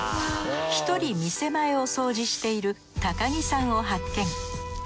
１人店前を掃除している城さんを発見。